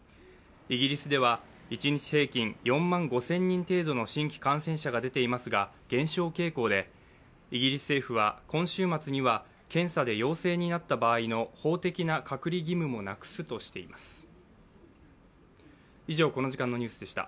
イギリスでは一日平均４万５０００人程度の新規感染者が出ていますが、減少傾向でイギリス政府は今週末には検査で陽性になった場合の法的な隔離義務もなくすとしています。